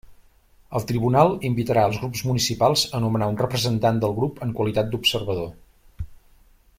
El tribunal invitarà als grups municipals a nomenar un representant del grup en qualitat d'observador.